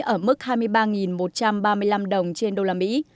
ở mức hai mươi ba một trăm ba mươi năm đồng trên usd